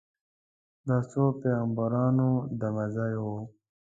د څو پیغمبرانو دمه ځای و.